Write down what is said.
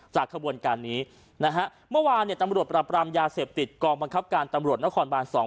ขบวนการนี้นะฮะเมื่อวานเนี่ยตำรวจปรับปรามยาเสพติดกองบังคับการตำรวจนครบานสอง